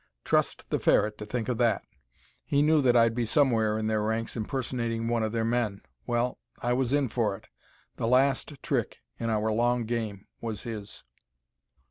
Trust the Ferret to think of that. He knew that I'd be somewhere in their ranks, impersonating one of their men. Well, I was in for it. The last trick in our long game was his.